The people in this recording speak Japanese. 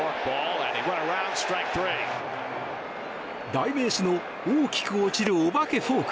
代名詞の大きく落ちるお化けフォーク